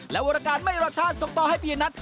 และวรการไม่รสชาติส่งต่อให้เปียนัท